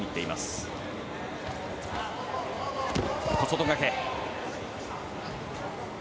小外掛け。